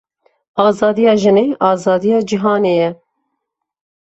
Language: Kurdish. Azadiya jinê azadiya cîhanê ye.